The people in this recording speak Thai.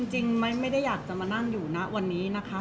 จริงไม่ได้อยากจะมานั่งอยู่ณวันนี้นะคะ